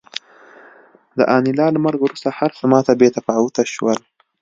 د انیلا له مرګ وروسته هرڅه ماته بې تفاوته شول